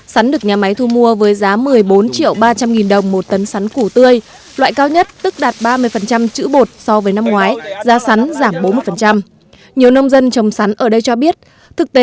sắn được nhà máy thu mua với giá một mươi bốn triệu ba triệu